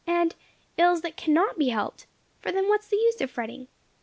and, Ills that cannot be helped, for then what is the use of fretting?